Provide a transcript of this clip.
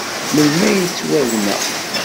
Melmi ay yettwabna?